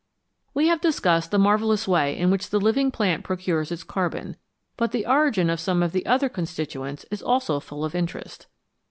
We have discussed the marvellous way in which the living plant procures its carbon, but the origin of some of the other constituents is also full of interest.